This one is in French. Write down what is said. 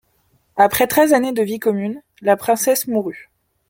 Après treize années de vie commune, la princesse mourut.